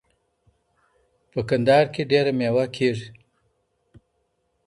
په کندهار کي ډیره میوه کیږي.